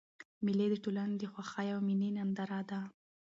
مېلې د ټولني د خوښۍ او میني ننداره ده.